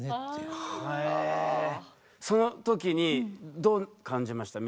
そのときにどう感じました？